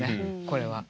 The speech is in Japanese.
これは。